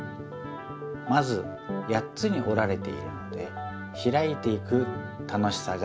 まず８つにおられているのでひらいていく楽しさがあります。